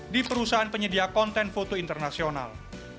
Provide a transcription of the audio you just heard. di perusahaan penyedia konten foto internasional